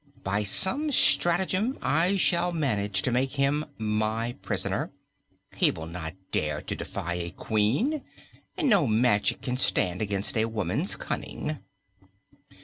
By some stratagem I shall manage to make him my prisoner. He will not dare to defy a Queen, and no magic can stand against a woman's cunning."